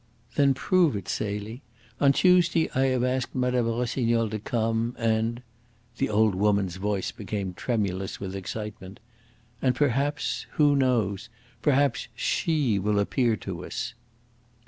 "Then prove it, Celie. On Tuesday I have asked Mme. Rossignol to come; and " The old woman's voice became tremulous with excitement. "And perhaps who knows? perhaps SHE will appear to us."